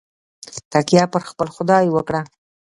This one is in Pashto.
تکیه پر خپل خدای وکړه.